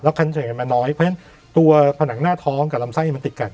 คันเฉยกันมาน้อยเพราะฉะนั้นตัวผนังหน้าท้องกับลำไส้มันติดกัน